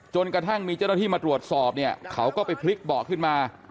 กระทั่งมีเจ้าหน้าที่มาตรวจสอบเนี่ยเขาก็ไปพลิกเบาะขึ้นมา